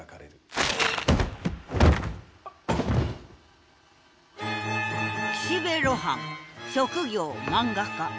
岸辺露伴職業漫画家。